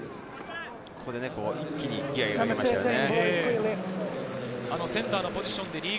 ここで一気にギアを上げましたね。